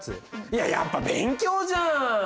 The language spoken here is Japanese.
いややっぱ勉強じゃん！